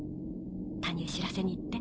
谷へ知らせに行って。